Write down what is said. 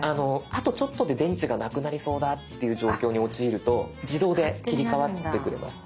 あとちょっとで電池がなくなりそうだっていう状況に陥ると自動で切り替わってくれます。